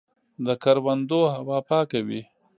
د کروندو هوا پاکه وي.